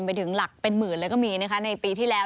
ไปถึงหลักเป็นหมื่นเลยก็มีนะคะในปีที่แล้ว